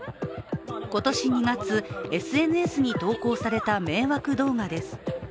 今年２月、ＳＮＳに投稿された迷惑動画です。